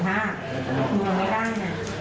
แต่เขาบอกจ่ายได้ทั้งหมด๕บาทไม่ได้ไง